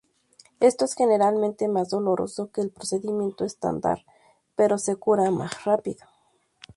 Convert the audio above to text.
Esto es generalmente más doloroso que el procedimiento estándar, pero se cura más rápido.